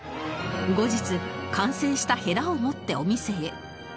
後日完成したヘラを持ってお店へ